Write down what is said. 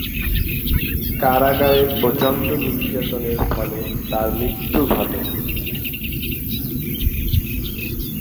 কারাগারে প্রচণ্ড নির্যাতনের ফলে তার মৃত্যু ঘটে।